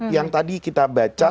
yang tadi kita baca